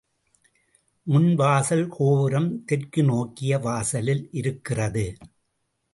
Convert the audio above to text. முன் வாசல் கோபுரம் தெற்கு நோக்கிய வாசலில் இருக்கிறது.